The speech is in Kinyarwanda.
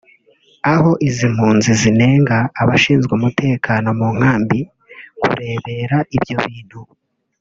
aho izi mpunzi zinenga abashinzwe umutekano mu nkambi kurebera ibyo bintu